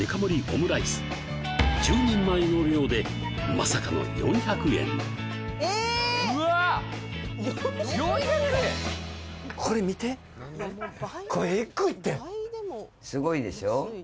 オムライス１０人前の量でまさかの４００円これ見てすごいでしょ？